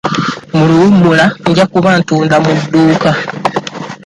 Mu luwummula nja kuba ntunda mu dduuka.